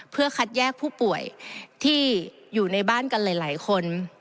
เพื่อคัดแยกผู้ป่วยที่อยู่ในบ้านกันหลายคน